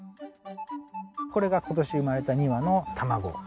これが今年生まれた２羽の卵。